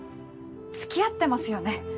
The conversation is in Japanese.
つきあってますよね？